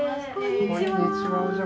こんにちは。